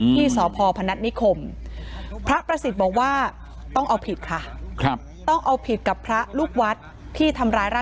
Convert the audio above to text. ที่สพพนัทนิคม